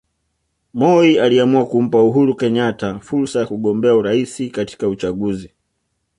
Moi aliamua kumpa Uhuru Kenyatta fursa ya kugombea urais katika uchaguzi